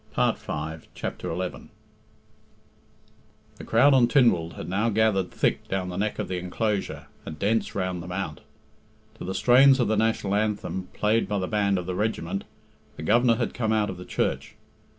"God in heaven!" muttered Philip. XI. The crowd on Tynwald had now gathered thick down the neck of the enclosure and dense round the mount. To the strains of the National Anthem, played by the band of the regiment, the Governor had come out of the church.